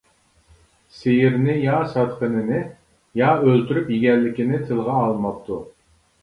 سىيىرنى يا ساتقىنىنى، يا ئۆلتۈرۈپ يېگەنلىكىنى تىلغا ئالماپتۇ.